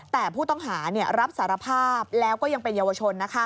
แต่ผู้ต้องหารับสารภาพแล้วก็ยังเป็นเยาวชน